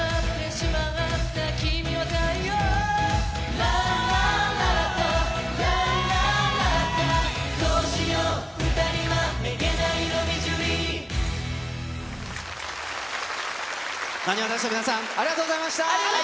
なにわ男子の皆さん、ありがとうございました。